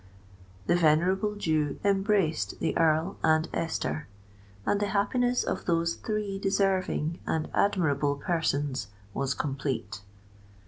The venerable Jew embraced the Earl and Esther; and the happiness of those three deserving and admirable persons was complete.